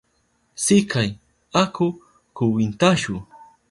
Sikay, aku kwintashu.